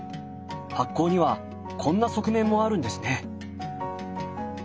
発酵にはこんな側面もあるんですね。